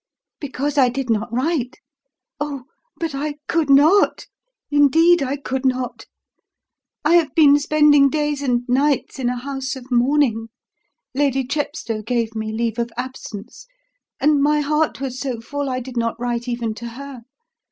"Because I did not write? Oh, but I could not indeed I could not. I have been spending days and nights in a house of mourning Lady Chepstow gave me leave of absence; and my heart was so full I did not write even to her.